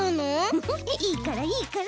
フフいいからいいから！